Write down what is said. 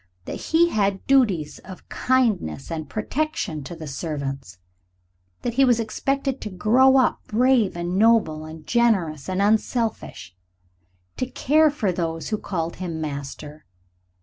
That he had duties of kindness and protection to the servants; that he was expected to grow up brave and noble and generous and unselfish, to care for those who called him master.